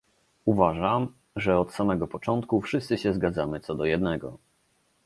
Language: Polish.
Uważam, że od samego początku wszyscy się zgadzamy co do jednego